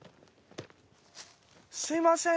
すみません。